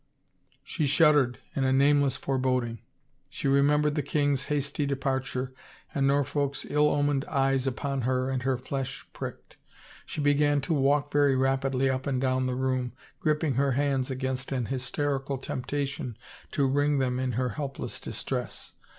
She shuddered in a nameless foreboding. She remem bered the king's hasty departure and Norfolk's ill omened eyes upon her and her flesh pricked. She began to walk very rapidly up and down the room, gripping her hands against an hysterical temptation to wring them in her helpless distress.